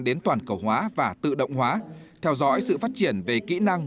đến toàn cầu hóa và tự động hóa theo dõi sự phát triển về kỹ năng